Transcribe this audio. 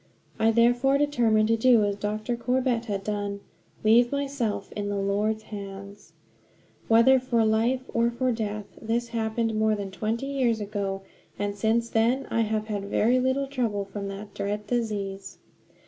I therefore determined to do as Dr. Corbett had done leave myself in the Lord's hands whether for life or for death. This happened more than twenty years ago, and since then I have had very little trouble from that dread disease.